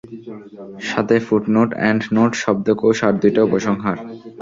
সাথে footnote, endnote, শব্দকোষ আর দুইটা উপসংহার।